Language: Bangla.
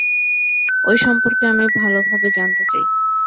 ঐ সম্পর্কে আমি ভালোভাবে জানতে চাই।